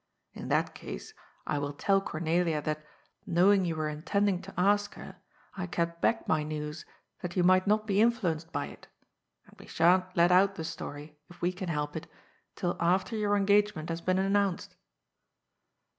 In that case I will tell Cornelia that, know ing you were intending to ask her, I kept back my news that you might not be influenced by it, and we sha'n't let out the story, if we can help it, till after your engagement has been announced."